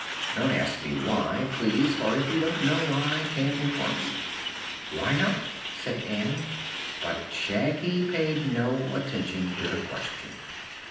"Don't ask me why, please, for if you don't know I can't inform you." "Why not?" said Ann; but Shaggy paid no attention to the question.